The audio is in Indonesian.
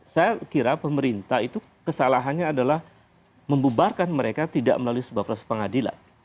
saya kira pemerintah itu kesalahannya adalah membubarkan mereka tidak melalui sebuah proses pengadilan